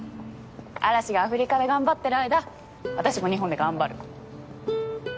嵐がアフリカで頑張ってる間私も日本で頑張る。